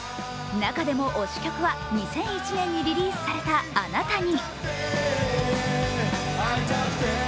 中でも推し曲は２００１年にリリースされた「あなたに」。